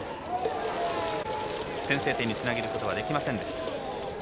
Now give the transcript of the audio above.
先制点につなげることができません。